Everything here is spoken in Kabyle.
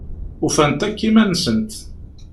Ufant akk iman-nsent.